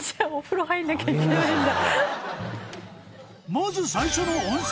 ［まず最初の温泉